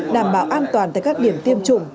đảm bảo an toàn tại các điểm tiêm chủng